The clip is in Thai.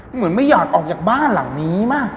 เหมือนไม่อยากออกจากบ้านหลังนี้มาก